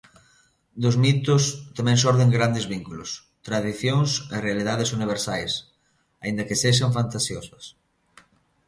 Dos mitos tamén xorden grandes vínculos, tradicións e realidades universais –aínda que sexan fantasiosas–.